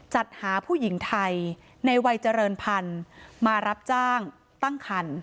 จัดหาผู้หญิงไทยในวัยเจริญพันธุ์มารับจ้างตั้งคัน